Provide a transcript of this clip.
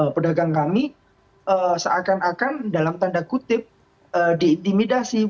pedagang kami seakan akan dalam tanda kutip diintimidasi